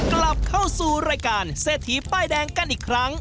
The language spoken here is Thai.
กลับเข้าสู่รายการเศรษฐีป้ายแดงกันอีกครั้ง